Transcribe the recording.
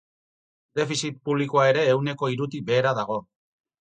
Defizit publikoa ere ehuneko hirutik behera dago.